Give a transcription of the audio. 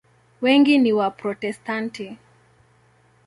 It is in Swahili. Wengi ni Waprotestanti.